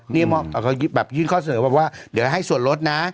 นี่เขาแบบยื่นข้อเสนอบอกว่าเดี๋ยวให้ส่วนลดนะ